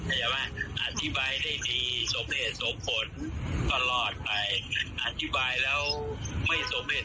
เห็นไหมอธิบายได้ดีสมเหตุสมผลตลอดไปอธิบายแล้วไม่สมเหตุสมผลก็ท่ามืดไป